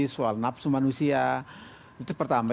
soal nafsu manusia itu pertama